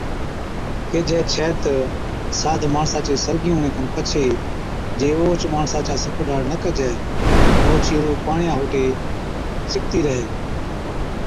ڪيھجَي ڇَي تہ ساد ماڻسا چي سرگِي ھُوَڻي کن پڇي جي اوھچ ماڻسا چا سکوڍاڙ نہ ڪجَي تہ اوڇِي روح پاڻِيا (ھوٽي) ڪاڻ سِڪتِي ريھِي